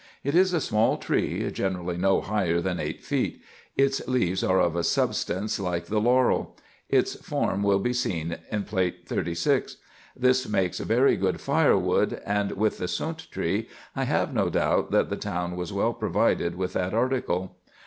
It is a small tree, generally no higher than eight feet : its leaves are of a substance like the laurel. Its form will be seen in Plate 36. This makes very good firewood ; and, with the sunt tree, I have no doubt that the town was well provided with that article.